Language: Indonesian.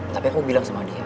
tapi aku bilang sama dia